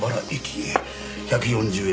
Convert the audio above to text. １４０円